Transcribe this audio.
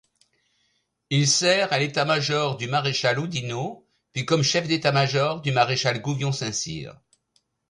Il sert à l'état-major du maréchal Oudinot, puis comme chef d'état-major du maréchal Gouvion-Saint-Cyr.